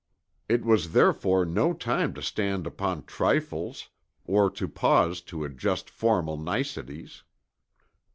It was therefore no time to stand upon trifles or to pause to adjust formal niceties.